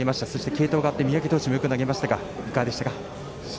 継投があって三宅投手もよく投げましたがいかがでしたか？